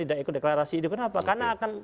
tidak ikut deklarasi itu kenapa karena akan